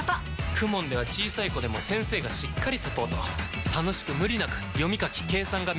ＫＵＭＯＮ では小さい子でも先生がしっかりサポート楽しく無理なく読み書き計算が身につきます！